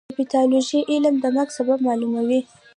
د پیتالوژي علم د مرګ سبب معلوموي.